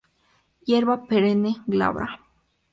Hierba perenne, glabra.